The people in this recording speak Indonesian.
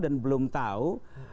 dan belum tahu